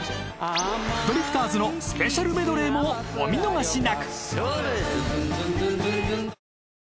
ドリフターズのスペシャルメドレーもお見逃しなく！